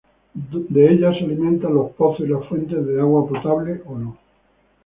De ellas se alimentan los pozos y las fuentes de agua, potable o no.